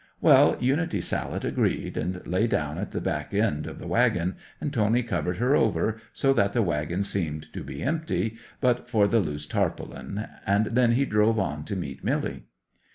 'Well, Unity Sallet agreed, and lay down at the back end of the waggon, and Tony covered her over, so that the waggon seemed to be empty but for the loose tarpaulin; and then he drove on to meet Milly.